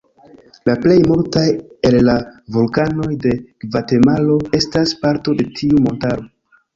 La plej multaj el la vulkanoj de Gvatemalo estas parto de tiu montaro.